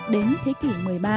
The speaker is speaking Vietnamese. đến thế kỷ một mươi ba